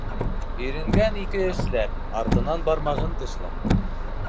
Иренгән ике эшләр, артынан бармағын тешләр.